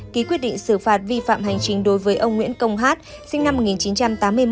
ký quyết định xử phạt vi phạm hành chính đối với ông nguyễn công hát sinh năm một nghìn chín trăm tám mươi một